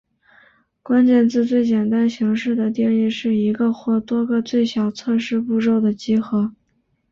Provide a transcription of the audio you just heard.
关键字最简单形式的定义是一个或多个最小测试步骤的集合。